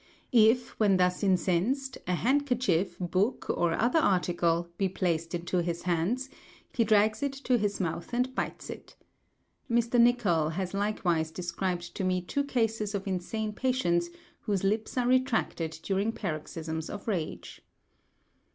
If, when thus incensed, a handkerchief, book, or other article, be placed into his hands, he drags it to his mouth and bites it. Mr. Nicol has likewise described to me two cases of insane patients, whose lips are retracted during paroxysms of rage.